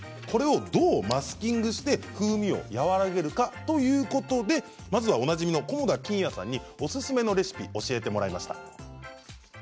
これをどうマスキングして風味を和らげるかということでまず、おなじみの菰田欣也さんにおすすめのレシピを教えてもらいました。